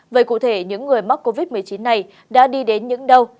vậy cụ thể những người mắc covid một mươi chín này đã đi đến những đâu